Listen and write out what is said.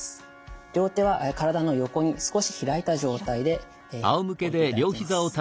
両手は体の横に少し開いた状態で置いていただきます。